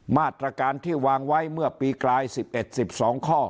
มาตรการที่วางไว้เมื่อปีกลาย๑๑๑๒ข้อ